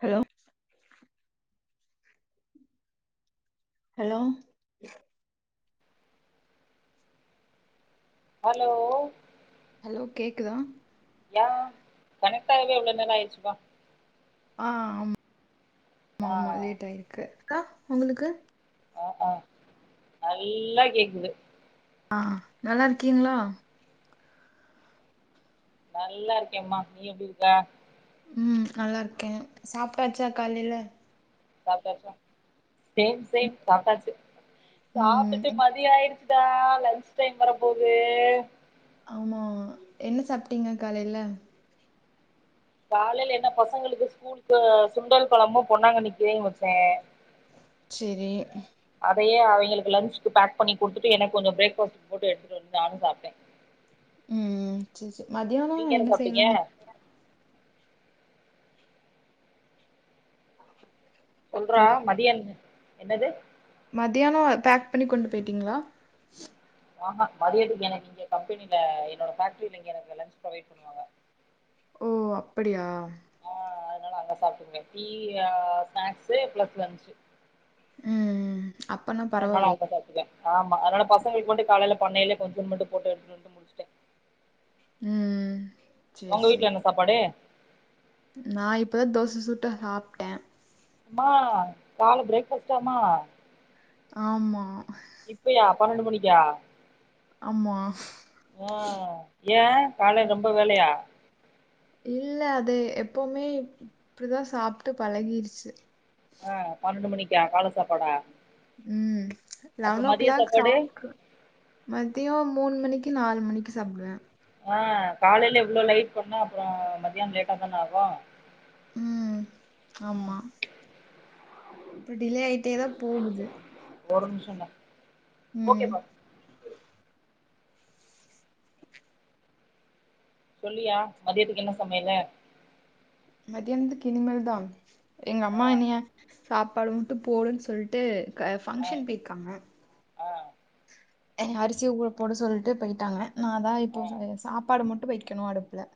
Hello hello hello hello கேக்குதா யா கனெக்டாகவே இவ்ளோ நேரோ ஆய்ர்ச்சுப்பா ஆ ஆ ஆமா ஆ ஆமா லேட் ஆயிருக்கு உங்களுக்கு ஆ ஆ நல்லா கேக்குது ஆ நல்லாருக்கீங்ளா நல்லா இருக்கேம்மா நீ எப்டி இருக்க ம் நல்லார்க்கே சாப்ட்டாச்சா காலேல சாப்டாச்சா சேம் சேம் சாப்டாச்சு ம் சாப்டுட்டு என்- மதியோ ஆய்றுச் சா லன்ச் டைம் வர போது ஆமா என்ன சாப்ட்டீங்க காலேல காலேல என்ன பசங்களுக்கு ஸ்கூலுக்கு சுண்டல் கொழம்பு பொன்னாங்கன்னி கீரையு வச்சே செர்ரி அதயே அவய்களுக்கு லஞ்சுக்கு பேக் பண்ணி குடுத்துட்டு எனக்கு கொஞ்சோ பிரேக்ஃபாஸ்ட்க்கு போட்டு எடுத்துட்டு வன்ட்டு நானு சாப்ட்டே ம் ம் செர் செர் மதியானோ நீங்க என்ன சாப்ட்டீங்க செய்யலானு இருக்கீங்க சொல்றா மதியோ என்ன என்னது மதியானோ பேக் பண்ணி கொண்டு போய்ட்டீங்ளா அஹா மதியத்துக்கு எனக்கு இங்க கம்பெனில என்னோட ஃபேக்ட்ரில இங்க எனக்கு லஞ்ச் ப்ரொவைட் பண்ணுவாங்க ஓ அப்படியா அ அதுனால அங்க சாப்ட்டுக்குவே டீயி அ ஸ்நாக்ஸு பிளஸ் லன்ச்சு ம் ம் அப்பன்னா அதனால பரவால்லே அங்க சாப்ட்டுக்குவே ஆமா அதுனால பசங்களுக்கு மட்டு காலேல பண்ணேல கொஞ்சம் மட்டும் போட்டு எடுத்துட்டுவன்டு முடுஸ்டே ம் சேரி ஒங்க சேரி வீட்ல என்ன சாப்பாடு நா இப்பதா தோச சுட்டு சாப்டே ம்மா கால ப்ரேக்ஃபாஸ்டாமா ஆமா இப்பையா பன்னண்டு மணிக்கா ஆமா ஆ ஏ காலை ரொம்ப வேலயா இல்ல அது எப்போமே இப்டிதா சாப்ட்டு பழகிர்ச்சு ஆ பன்னண்டு மணிக்கா கால சாப்பாடா ம் அப்ப லவன் ஓ மதிய க்ளாக் சாப்பாடு சாப்கு மதியோ மூணு மணிக்கு நாலு மணிக்கு சாப்டுவே ஆ காலேல இவ்ளோ லேட் பண்ணா அப்பறோ மதியானோ லேட்டா தான ஆகு ம் ம் ஆமா இப் டிலே ஆய்ட்டேதா போகுது என்ன ம் சொல்லுயா மதியத்துக்கு என்ன சமயலு மதியான்திக் கினிமேல்தா எங்க ஆ அம்மா என்னய சாப்பாடு மட்டு போடுன் சொல்ட்டு க ஆ ஃபங்க்ஷன் பேயிர்க்காங்க ஆ எனய அரிசி ஊர போட சொல்ட்டு போய்ட்டாங்க நாதா இப்போ ஆ சமைக்க சாப்பாடு மட் டு வெய்க்கனு அடுப்புல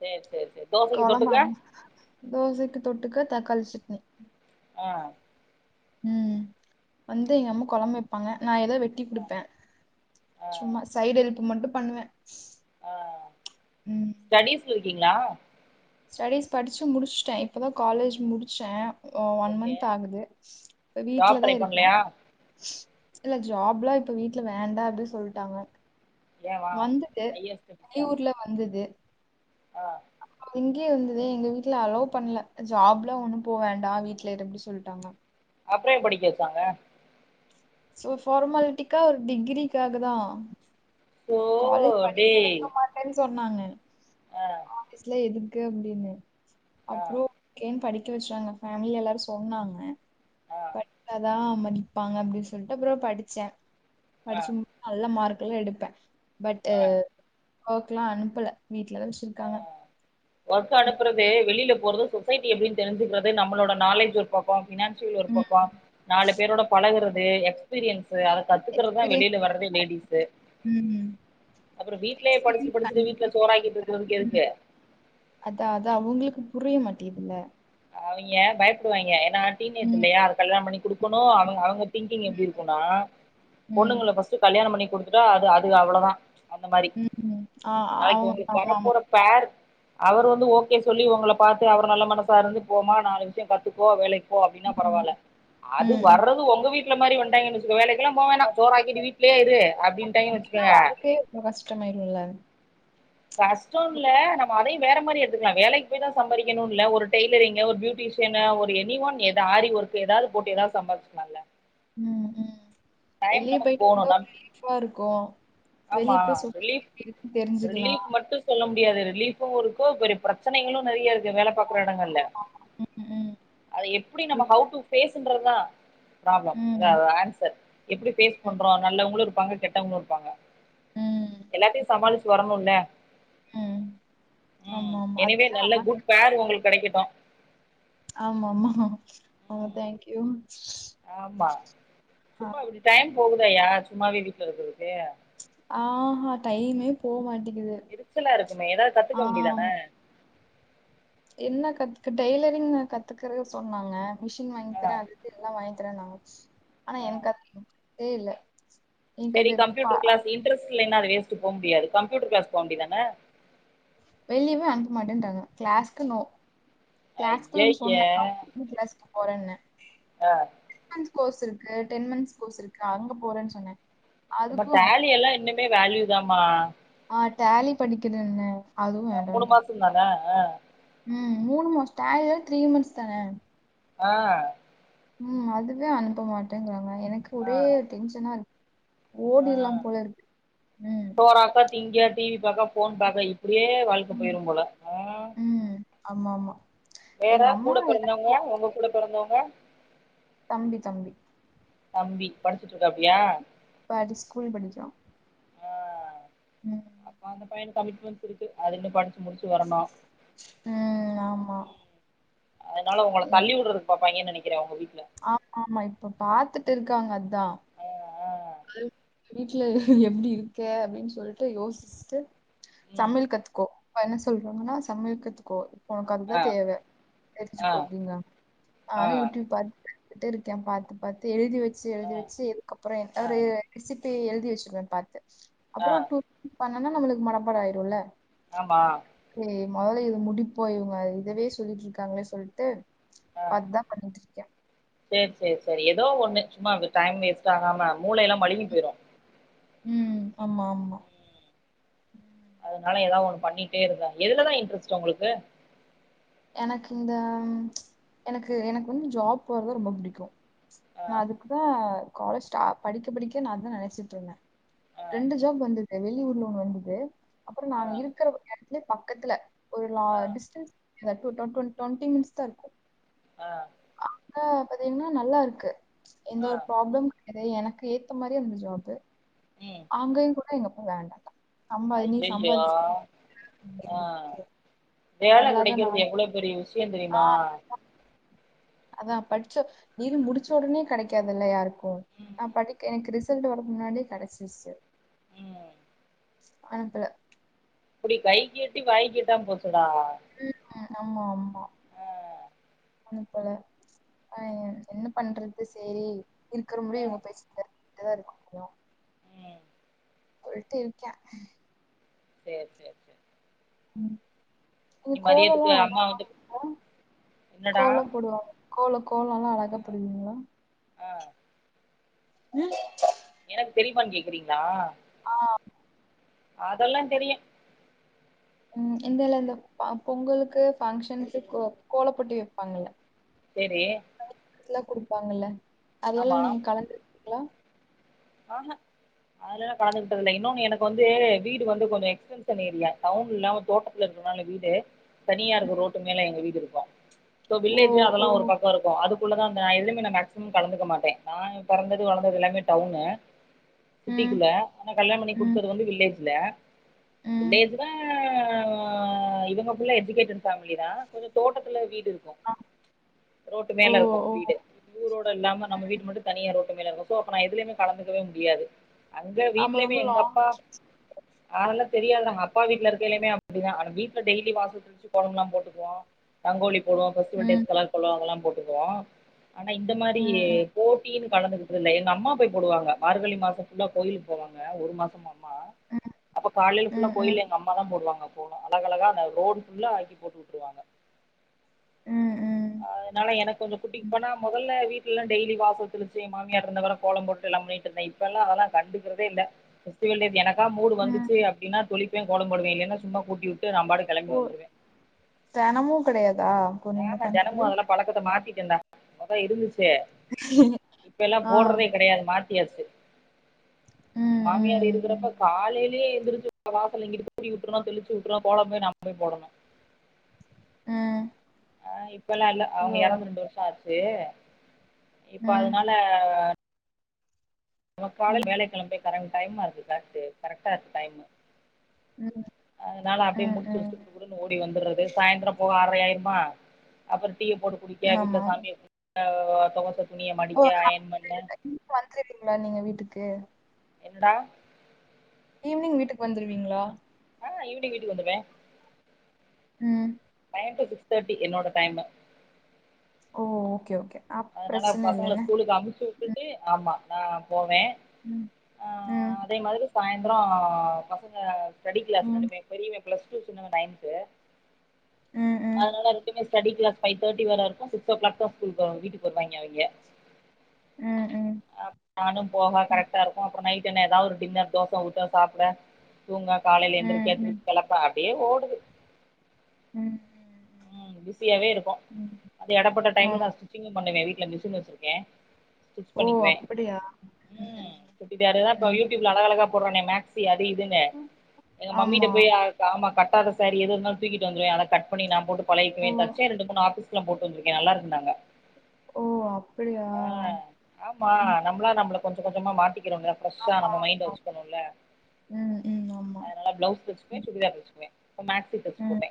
சரி சரி சரி தோசைக்கு கொலம்பு தொட்டுக்க அம்ம தோசைக் கு தொட்டுக்க தக்காளி சட்னி ஆ ம் வந்து எங்க அம்மா கொலம்பு வெப்பாங்க நா ஏதோ வெட்டி ஆ குடுப்பே ஆ சும்மா சைடு எல்ப் மட்டு பண்ணுவே ஆ ஸ்டடிஸ்ல இருக்கீங்ளா ஸ்டடிஸ் படிச்சி முடிச்ட்டே இப்ப தா காலேஜ் முடிச்சே ஒ‌ ஒன் ஓகே மந்த் ஆகுது இப்ப ஜாப் வீட்லதா ட்ரை இருக்கே பண்ணலையா இல்ல ஜாப்ல்லா இப்ப வீட்ல்ல வேண்டா அப்டி சொல்ட்டாங்க ஏம்மா வந்தது ஹையர் ஸ்டடீஸா வெளியூர்ல வந்தது ஆ அது இங்கியு வந்ததே எங்க வீட்ல அலோ பண்ல ஜாப்ல்லா ஒண்ணு போ வேண்டா வீட்ல இரு அப்டி சொல்ட்டாங்க அப்றோ ஏ படிக்க வெச்சாங்க சோ ஃபார்மால்ட்டிக்கா ஒரு டிக்கிரிக்காக தா ஸோ காலேஜ் படிக்க டேய் வெக்க மாட்டேன் சொன்னாங்க ஆ காலேஜ்ல எதுக் கு அப்டின்னு ஆ அப்றோ ஏன் படிக்க வெச்சாங்க ஃபேமிலி எல்லாரு சொன்னாங்க ஆ படிச்சாதா மதிப்பாங்க அப்டி சொல்ட்டு அப்றோ படிச்சே ஆ படிச்சி மூ நல்ல மார்க்கெல்லா எடுப்பே பட்டூ ஆ ஓக்கலா அனுப்புல வீட்லதா வெச்சிருக்காங்க ஆ ஒர்க் அனுப்புறது வெளியில போறது சொசைட்டி எப்பிடின் தெரி்ஞ்சுக்றது நம்மளோட நாலேஜ் ஒரு பக்கோ ஃபினான்ஸ் சீல் ஒரு பக்கோ நாலு பேரோட பழகுறது எக்ஸ்பீரியன்ஸ் து அத கத்துக்கறதா எக்ஸ்பீரியன்ஸ் வெளியில வர்றதே லேடிஸு ம் அப்புறோ வீட்லே படிச்சுட்டு படிச்சுட்டு வீட்ல சோறாக்கிட்டு இருக்கிறதுக்கு எதுக்கு அதா அதா அவுங்களுக்கு புரிய மாட்டேகிதில்ல அவிங்க பயப்படுவாய்ங்க எ நா டீனேஜ் ம் இல்லையா அத கல்யாண பண்ணி குடுக்கனு அவுங்க அவுங்க திங்கிங் எப்டி இருக்குனா ம் பொண்ணுங்கள ஃபஸ்ட் கல்யாண பண்ணி குடுத்துட்டா அது அது அவ்ளோதா அந்த மாரி ம் ம் ஆ நாளைக் அவங்க உங்களுக் ஆமா ஆமா வரப்போற பேர் அவரு வந்து ஓகே சொல்லி ஒங்கள பாத்து அவரு நல்ல மனசா இருந்து போமா நாலு விஷியோ கத்துக்கோ வேலைக் போ அப்டினா ம் பரவால்ல அது ம் ம். வர்றது ஒங்க வீட்ல மாரி வன்ட்டாய்ங்கன் வேலைக்கெல்லா போ வேணா சோறக்கிட்டு வீட்லயே இரு அப்டின்டாய்ங்க அப்படின்னா வச்சுகுங்க வாழ்க்கையே ரொம்ப கஷ்டமாயிரும்ல கஷ்டோன்ல்ல நம்ம அதையு வேற மாரி எடுத்துக்லா வேலைக்கு போய் தா சம்பாரிக்கனு இல்ல ஒரு டெய்லரிங்கு ஒரு பியூட்டிஷியனு ஒரு எனி ஒன் எதா ஆரி வொர்க்கு ஏதாவது போட்டு ஏதாவது சம்பாதிச்க்லா இல்ல ம் ம் வெளிய நமக்கு பேயிட்டு போகணும் வந்து நம் ரிலீப்பா இருக்கு ஆமா வெளிய ரிலீஃப் போய் தெரிஞ்சுக் ரிலீஃப் மட்டு சொல்ல முடியாது ரிலீஃபு இருக்கு பெரிய பிரச்சனைகளு நெறையருக் வேல பாக்கர எடங்கள்ள ம், அத எப்டி ம். நம்ம ஹவ் டூ பேஸ்ன்றதுதா ப்ராப்ளம் ம், அதா அது ஒரு ஆன்சர் எப்டி பேஸ் ம், பண்றோ நல்லவங்களு இருப்பாங்க கெட்டவங்களு இருப்பாங்க ம். எல்லாத்தையு சமாளிச்சி வரணுல்ல ம். ம் ஆமாமா. எனிவே அதெல்லாம் நல்ல நம்ம குட் கைல பேர் இருக்கு. ஒங்களுக் கெடைக்கட்டு ஆமாமா ஆமா ம் தேங்க்யூ ஆமா சும்மா இப்டி டைம் போகுதேயா சும்மாவே வீட்ல இருக்குறதுக்கு ஆஹா டைமே போ மாட்டேக்கிது எரிச்சலா இருக்குமே ஏதாவது கத்துக்க ஆ வேண்டியதானே ஆமா என்ன கத்துக்க டெய்லரிங் கத்துக்றக்க சொன்னாங்க மிஷின் வாங்கி ஆ தறே அதுக்கு எல்லா வாங் தரனாங்க ஆனா ஆ எனக்கு [unintelligible] தே இல்ல எனக்கு சரி அது ப கம்ப்யூட்டர் கிளாஸ் இன்ட்ரெஸ்ட்லன அது வேஸ்ட் போ முடியாது கம்ப்யூட்டர் கிளாஸ் போ வேன்டியதானே வெளியுமே அனுப்ப மாட்டேன்டாங்க கிளாஸ்க்கு நோ கிளாஸ் கு ஐயய்ய சொன்னே [unintelligible] போறேன்ன ஆ கோர்ஸ் இருக்கு டென் மந்த்ஸ் கோர்ஸ் இருக்கு அங்க போறேன்னு சொன்ன நம்ம டேலி எல்லாம் இன்னுமே வேல்யூதாமா நா டேலி படிக்கரன்ன ஆ மூணு மாசம் தானே ஆ ம் மூணு மாச டேலி த்ரீ மந்த்ஸ் தானே ஆ ம் அதுவே அனுப்ப மாட்டேங்குிறாங்க எனக்கு ஆ ஒரே டென்ஷனா இருக்கு ஆ ஓடில்லாம் போல இருக்கு ம் சோறாக்க திங்க டிவி பாக்க போன் பாக்க இப்படியே வாழ்க்கை ம். போயிரும் போல ஆ ம். ஆமா ஆமா வேற எங்க அம்மா கூட பிறந்தவங்க எல்லாத்துக்கும் உங்க ஓகே. கூட பிறந்தவங்க தம்பி தம்பி தம்பி படிச்சிட்டு இருக்காப்பியா படி ஸ்கூல் படிக்கிறா ம் பைய கமிட்மெண்ட்ஸ் இருக்கு அதுன்னு படிச்சு முடிச்சு வரணும் ம் ஆமா அதனால உங்கள எ தள்ளி உட்ரதுக்கு பாப்பாகைன்னு நினைக்கிரே உங்க வீட் ஆமா ஆமா இப்ப பாத்துட்டு இருக்காங்க அதான் ஆ ஆ அ வீட்ல எப்படி இருக்க அப்படின்னு சொல்லிட்டு யோசிச்சுட்டு ம் சமையல் கத்துக்கோ அப்பா என்ன சொல்றாங்கன்னா சமையல் கத்துக்கோ உனக்க ஆ அதுதான் தேவ ஆ தெரிஞ்சுக்கோ அப்படிங்காங்க ஆ நானும் யூடியூப் பா வட்டு இருக்கேன் பாத்து பாத்து எழுதி வச்சு ஆ எழுதி வச்சு எதுக்கப்புறம் எந்த ஆ ஒரு ரே ப்பய் எழுதி வச்சிருவேன் பாத்து ஆ அப்புறம் டூ பண்ணனா நம்மளுக்கு மணப்பாட ஆயிருல்ல ஆமா முதல்ல இது முடிப்போ இவங்க இதவே சொல்லிட்டு இருக்காங்களே சொல்ட்டு ஆ பாத்துட்டுதான் பண்ணிட்டு இருக்கே சேரி சேரி சேரி ஏதோ ஒண்ணுச்சும்மா அது டைம் வேஸ்ட் ஆகாம மூளை எல்லாம் மழுங்கி போயிரும் ம் ஆமா ஆமா அதனால ஏதாவது ஒண்ணு பண்ணிட்டே இருந்தா எதுலதா இன்ட்ரெஸ்ட் உங்களுக்கு எனக்கு இந்த எனக்கு எனக்கு வந்து ஜாப் போறது ரொம்ப புடிக்கும் ஆ அதுக்குதான் காலேஜ் படிக்க படிக்க நான் அதான் நினைச்சிட்டு இருந்தே ஆ ரெண்டு ஜாப் வந்தது வெளியூர்ல ஒண்ணு வந்தது அப்புறம் ஆ நாங்க இருக்கிற இடத்துலயே பக்கத்துல ஒரு ல ஆ டிஸ்டன்ஸ் [unintelligible] டுவென்டி மினிடஸ் தான் இருக்கு ஆ ஆ பாத்தீங்கன்னா நல்லா இருக்கு எந்த ஆ ஒரு ப்ராப்ளம் அதே எனக்கு ஏத்த மாரி அந்த ஜாப் ம் அங்கயும் கூட எங்கப்பா வேண்டாம்ட்டாங்க சம்பாதி நீ ஐயையோ சம்பாதிச்சு ஆ [unintelligible] வேல நல்லாதான் கிடைக்கிறது நான் எவ்வளவு பெரிய விஷயம் தெரியுமா ஆஹ் அதான் படிச்ச டிகிரி முடிச்ச உடனே கிடைக்காதுல்ல யாருக்கும் நான் படிக்க எனக்கு ரிசல்ட் வர முன்னாடி கடைச்சிருச்சு ம் அனுப்புல இப்படி கைக்கு எட்டி வாய்கேட்டாம போச்சடா உம் ஆமா ஆமா அனுப்பல அஹ் என்ன பண்றது சரி இருக்கிற முடியும் ஆ இவங்க பேசிட் டுதா இருக்க முடியு ம் உல்டுடிருக்கே சேரி சேரி சேரி ம் நீ கோலம் மதியத்துக்கு எல்லாம் அழகா அம்மா வந்து போடுவீங்கல்ல என்னடா கோலம் போடுவாங்க கோலோ கோலோல்லாம் அழகா போடுவீங்களா ஆஹ் உம் எனக்கு தெரியுமான்னு கேக்கறீங்களா ஆஹ் அதெல்லாம் தெரியும் உம் இந்த இல்ல இந்த பொங்கலுக்கு ஃபாங்க்ஷனுக்கு கோலப்போட்டி வைப்பாங்கல்ல சேரி லா குடுப்பாங்கல்ல அதல்லாம் நீங்க கலந்துருக்கீங்களா ஆஹ அதலெல்லாம் கலந்துகிட்டதில இன்னொன்னு எனக்கு வந்து வீடு வந்து கொஞ்சம் எக்ஸ்டென்ஷன் ஏரியா டவுன் இல்லாம தோட்டத்துல இருக் கனால வீடு தனியா ம். இருக்கு ரோட்டு மேல எங்க வீடு இருக்கு இப்போ ஓ வில்லேஜ் ஓ அதெல்லாம் ஒரு பக்கம் இருக்கும் அது குள்ள தான் எதுவுமே நான் மேக்சிமம் கலந்துக்க மாட்டன் நான் பிறந்தது வளந்தது எல்லாமே டவுனு ம் சிட்டிக்குள்ள ஆனா கல்யாண பண்ணி ம் குடுத்தது வந்து வில்லேஜ்ல ம் வில்லேஜ் தான் இவங்ககுள்ள எஜிகேடட் ஃபேமிலி தான் கொஞ்சம் தோட்டத்துல வீடு இருக்கும் ஆ, ரோட்டு ஓ மேல இருக்கும் ஓ வீடு ஊர் ரோடு இல்லாம நம்ம வீட்டு மட்டும் தனியா ரோடு இருக்கும் சோ அப்போ நான் இதுலயுமே கலந்துக்கவே முடியாது அங்க ஆமா வீட்லயுமே ரொம்ப எங்க லாங் அப்பா ஆனல்த் தெரியாது நாங்க அப்பா வீட்டுல இருக்கைலயுமே அப்டிதா ஆனா வீட்டுல டெய்லி வாச தெளிச்சி கோலமெல்லா போட்டுக்குவோம் ரங்கோலிப் போடுவோம் பெஸ்டிவல் ம் டேஸ் கலர் கோலோ அதெல்லா போட்டுக்குவோ ஆனா இந்த மாதி ம் ம் போட்டினு கலந்துகட்டதில்ல எங்க அம்மா போய் போடுவாங்க மார்கழி மாசம் புல்லா கோயிலுக்கு போவங்க ஒரு மாசமா மா ம் அப்ப காலையில புல்ல ம் ம் கோயில்ல எங்க அம்மா தான் போடுவாங்க போனும் அழக அழகான ரோடுபுள்ள ஆக்கி போட்டு வுட்டுருவாங்க ம் அதனால எனக்கு கொஞ்சம் குட்டிக்கு ம் போனா முதல்ல வீட் டுல டெய்லி வாசல் தெளிச்சி மாமியார் இருந்தவரு கோலம் போட்டு எல்லாம் பண்ணிட்டு இருந்தேன் இப்பல்லா அதெல்லாம் கண்டுக்கறதே இல்ல பெஸ்டிவல் டேஸ் எனக் கா மூடு ம். வந்துச்சு அப்டின்னா தொளிப்பேன் கோலம்போடுவே இல்லன்னா சும்மா கூட்டி வி ட்டு நம்பாட்டு கிளம்பி ஓ வந்துருவேன் தெனமு கெடையாதா அப்போ நீங்க ஏன்மா பண்றது தினமும் அதெல்லாம் பழக்கத்த மாத்தி கியந்தான் மொத இருந்துச்சு இப்ப எல்லாம் ஆ போடுறதே கெடையாது மாத்தியாச்சு ஏன் ம் மாமியார் ம் ம் இருக்கிறப்ப காலையிலேயே எழ் தெளிச்சி வாசலை இங்கிட்டு கூட்டி விட்டுறோம் தெளிச்சு விட்டுறோம் கோலம் போய் நாம் போய் போடணும் உம் ஆஹ் இப்பல்லாம் இல்ல அவங்க இறந்து ரெண்டு வருஷம் ஆச்சு இப்ப ம் அதனால நமக் கால ம் வேலைக்கிழம்பவே கரன் டைமாகுது கரெட்டு கரெக்டா இருக்கு டைமு ம் அதனால அப்படியே ம் முடிச்சு ம் வெச்சுட்டு குடுகுடுன்னு ஓடி வந்துறது சாயந்திரம் போக ஆர்ரையாயிருமா அப்புறம் டீ போட்டு குடிக்க வீட்டுல ஆமா சாமிய தொவச்ச துணிய மடிக்க அயன் பண்ண மார் நீங்க வீட்டுக்கு என்னடா ஈவினிங் வீட்டுக்கு வந்துருவீங்களா ஆஹ் ஈவினிங் வீட்டுக்கு வந்துருவே ம் டென் டூ சிக்ஸ் தேர்ட்டி என்னோட டைமு ஓ ஓகே ஓகே அப் அதுனால பிரச்சன பசங்கள இல்லன்ன ஸ்கூலுக்கு அமுச்சு வுட்டுட்டு ஆமா நா போவே ம் ம் சாய்ந்தரோ பசங்க ஸ்டடி கிளாஸ் ம் ரெண்டுமே பெரியவே ப்ளஸ் டூ சின்னவே நையன்த்து ம் ம் அதுனால ரெண்டுமே ஸ்டடி க்ளாஸ் ஃபைவ் தர்டி வர இருக்கு சிக்ஸ் ஓ கிளாக் தா ஸ்கூல் போ வீட்டுக்கு வருவாய்ங்க அவய்ங்க ம் ம் நானும் போக ம் கரெக்டா இருக்கு அப்பறோ நைட் டின்னர் ஏதாவது ஒரு டின்னர் தோச ஊத்த சாப்ட தூங்க காலேல ம் எந்திரிக்க ம் [unintelligible] வெளக்க அப்டியே ஓடுது ம் ம் பிஸியாவே இருக்கு ம் அது எடப்பட்ட ம் டைம்ல நா ஆமா ஸ்டிச்சிங்கு பண்ணுவே வீட் ல மிசின் வச்சுருக்கே ஸ்டிச் ஓ பண்ணிக்குவே அப்படியா ம் [unintelligible] இப்ப ம் யூடூயூப்ல அழகழகா போட்றானே மேக்ஸி யா அது இதுன்னு ம் எங்க மம்மிட்ட ஆமா போய் ஆ ஆமா கட்டாத சாரி எது இருந்தாலு தூக்கிட்டு வந்துருவே அத கட் பண்ணி நாம போட்டு பழகிக்குவே ஓ தச்சே ரெண்டு மூணு ஆபீஸ்க்கலா போட்டு வந்துருக்கே நல்லா இருக்குன்டாங்க ஓ! அப்படியா? ஆ ஆமா ம். ம். நம்மளா நம்மள கொஞ்ச கொஞ்சமா மாத்தி கிரோல ஃப்ரஸ்ஸா ஆமா, நம்ம மைண்ட ஆமா. வச்சுக்கனுல ம், ம். ஆமா. அதுனால ப்ளவுஸ் தச்சுக்குவே ம். சுடிதார் தச்சுக்குவே இப்ப மேக்சி தச்சு ம், போட்டே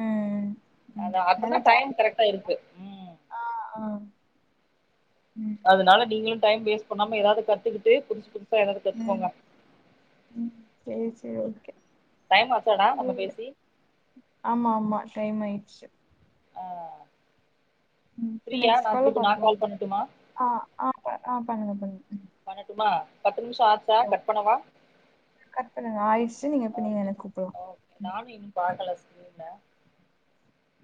ம். ம். அதா நல்ல அப்பதா டைம் டேலண்ட். கரெக்டா இருக்கு ம் ஆ, ஆ. ம். அதுனால நீங்களு டைம் வேஸ்ட் பண்ணாம ஏதாவது கத்துக்கிட்டு புதுஸ்புதுஸ் ம் ம் சேரி சேரி ஓகே டைம் ஆச்சாடா நம்ம [unintelligible] பேசி ஆமா ஆமா டைம் ஆய்ச்சு ஆ ம். சரி ஃப்ரீயா நா திருப்பி நா கால் பண்ணட்டுமா அ ப அ பண்ணுங்க பண்ணுங்க பண்ணட்டுமா பத்து நிமிஷொ ஆச்சா ஓகே, ஓகே. கட் பண்ணவா கட் பண்ணுங்க ஆய்றுச்சு நீங்க இப்ப நீங்க ஓகே எனக்கு கூப்பலாம் ஓகே ம் நானும் இன்னும் [unintelligible]